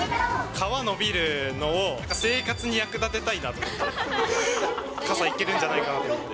皮伸びるのを生活に役立てたいなと思って、傘いけるんじゃないかなと思って。